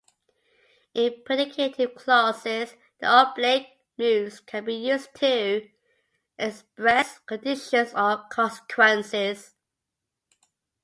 In predicative clauses, the oblique moods can be used to express conditions or consequences.